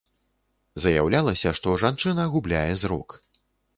Заяўлялася, што жанчына губляе зрок.